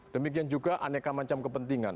demikian juga aneka macam kepentingan